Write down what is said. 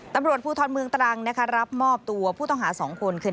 ตำรวจภูทรเมืองตรังนะคะรับมอบตัวผู้ต้องหา๒คนคือ